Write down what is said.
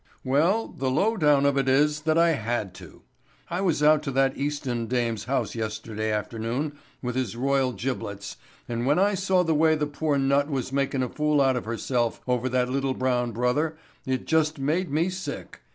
"Well, the low down of it is that I had to. I was out to that Easton dame's house yesterday afternoon with his royal jiblets and when I saw the way the poor nut was makin' a fool out of herself over that little brown brother it just made me sick.